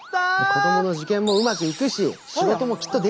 子どもの受験もうまくいくし仕事もきっとできるから！